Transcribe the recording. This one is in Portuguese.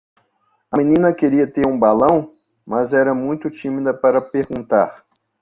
A menina queria ter um balão?, mas era muito tímida para perguntar.